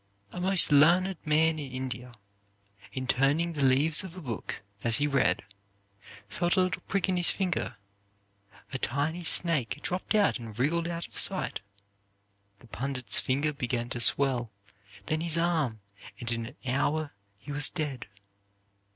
A most learned man in India, in turning the leaves of a book, as he read, felt a little prick in his finger; a tiny snake dropped out and wriggled out of sight. The pundit's finger began to swell, then his arm; and in an hour, he was dead.